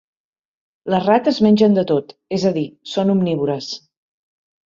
Les rates mengen de tot, és a dir, són omnívores.